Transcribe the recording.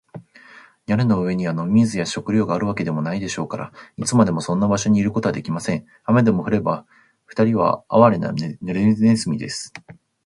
屋根の上には飲み水や食料があるわけでもないでしょうから、いつまでもそんな場所にいることはできません。雨でも降れば、ふたりはあわれな、ぬれネズミです。